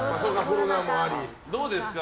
どうですか？